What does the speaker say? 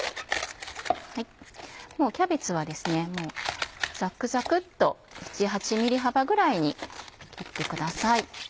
キャベツはザクザクっと７８ｍｍ幅ぐらいに切ってください。